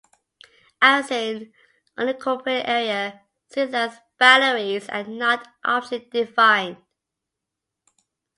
As an unincorporated area, Suitland's boundaries are not officially defined.